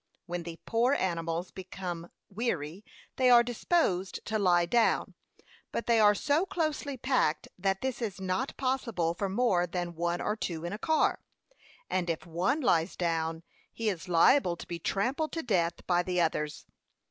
When the poor animals become weary, they are disposed to lie down; but they are so closely packed that this is not possible for more than one or two in a car; and if one lies down he is liable to be trampled to death by the others.